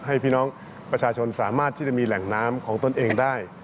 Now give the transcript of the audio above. พี่น้องประชาชนสามารถที่จะมีแหล่งน้ำของตนเองได้